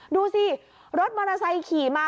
ดูสิรถมอเตอร์ไซค์ขี่มา